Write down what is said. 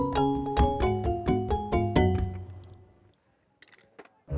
gak ada apa apa